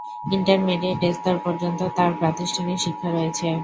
Intermediate স্তর পর্যন্ত তার প্রাতিষ্ঠানিক শিক্ষা রয়েছে।